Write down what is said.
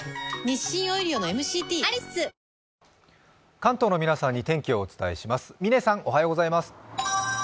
関東の皆さんに天気をお伝えします。